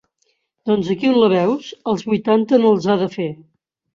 Doncs aquí on la veus els vuitanta no els ha de fer.